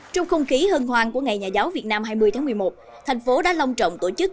trong không khí hân hoàng của ngày nhà giáo việt nam hai mươi tháng một mươi một thành phố đã long trọng tổ chức